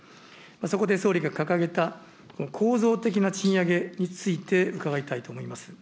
そこで総理が掲げた、構造的な賃上げについて、伺いたいと思います。